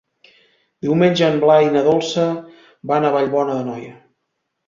Diumenge en Blai i na Dolça van a Vallbona d'Anoia.